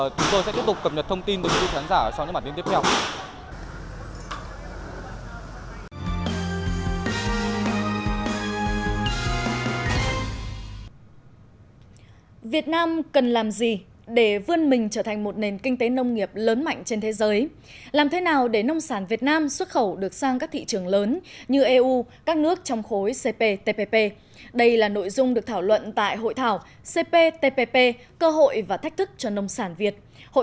chúng tôi sẽ tiếp tục cập nhật thông tin từ quý vị khán giả sau những bản tin tiếp theo